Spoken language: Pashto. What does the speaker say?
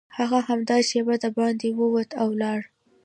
هغه همدا شېبه دباندې ووت او لاړ